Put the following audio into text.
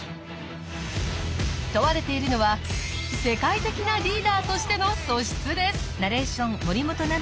問われているのは世界的なリーダーとしての素質です。